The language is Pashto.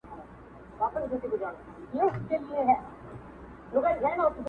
جام د میني راکړه،